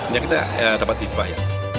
ini kita dapat dipakai